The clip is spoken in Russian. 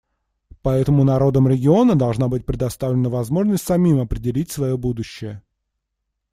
Поэтому народам региона должна быть предоставлена возможность самим определить свое будущее.